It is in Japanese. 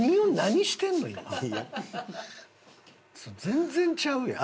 全然ちゃうやん。